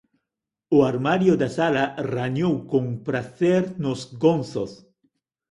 O armario da sala rañou con pracer nos gonzos.